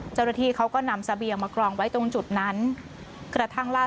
เจ้าหน้าที่เขาก็นำเสบียงมากรองไว้ตรงจุดนั้นกระทั่งล่าสุด